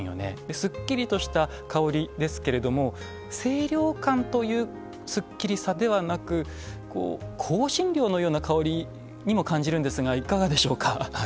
すっきりとした香りですけれども清涼感というすっきりさではなく香辛料のような香りにも感じるんですがいかがでしょうか？